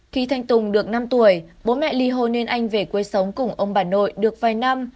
khi thanh tùng được năm tuổi bố mẹ ly hôn nên anh về quê sống cùng ông bà nội được vài năm